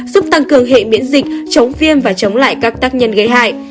giúp tăng cường hệ miễn dịch chống viêm và chống lại các tác nhân gây hại